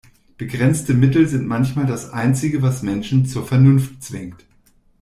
Begrenzte Mittel sind manchmal das Einzige, was Menschen zur Vernunft zwingt.